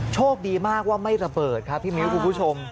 โชคดีมากว่าไม่ระเบิดครับพี่มิ้วคุณผู้ชม